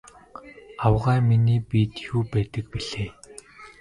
Авгай миний биед юу байдаг билээ?